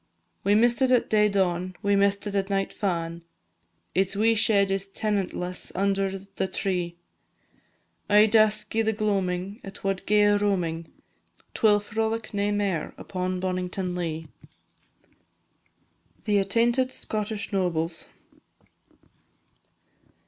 We miss'd it at day dawn, we miss'd it at night fa'in', Its wee shed is tenantless under the tree, Ae dusk i' the gloamin' it wad gae a roamin'; 'T will frolic nae mair upon Bonnington Lea. THE ATTAINTED SCOTTISH NOBLES.